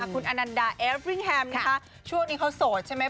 คุณอนันดาเอสริ่งแฮมนะคะช่วงนี้เขาโสดใช่ไหม